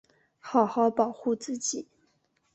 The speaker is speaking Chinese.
好好保护自己